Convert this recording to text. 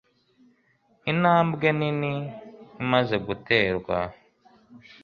Intambwe nini imaze guterwa